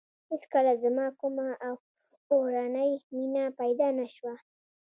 هېڅکله زما کومه اورنۍ مینه پیدا نه شوه.